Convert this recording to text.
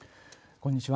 こんにちは。